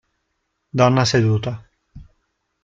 Donna seduta